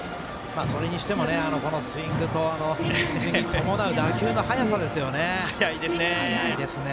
それにしてもこのスイングと、それに伴う打球の速さですよね。